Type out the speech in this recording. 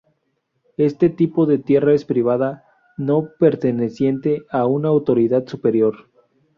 Este tipo de tierra es privada, no perteneciente a una autoridad superior.